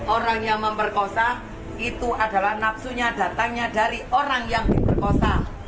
orang yang memperkosa itu adalah nafsunya datangnya dari orang yang diperkosa